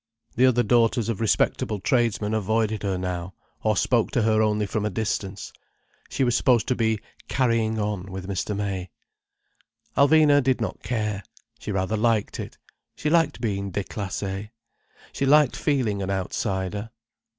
The other daughters of respectable tradesmen avoided her now, or spoke to her only from a distance. She was supposed to be "carrying on" with Mr. May. Alvina did not care. She rather liked it. She liked being déclassée. She liked feeling an outsider.